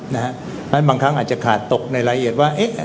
นะฮะแล้วบางครั้งอาจจะขาดตกในละเอียดว่าเอ๊ะ